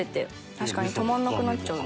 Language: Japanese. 確かに止まらなくなっちゃうな。